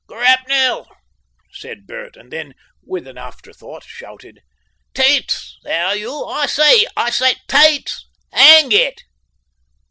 "Grapnel," said Bert, and then with an afterthought shouted, "TETES there, you! I say! I say! TETES. 'Eng it!"